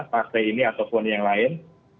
partai ini ataupun yang lain